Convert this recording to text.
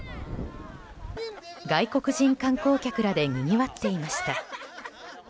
外国人観光客らでにぎわっていました。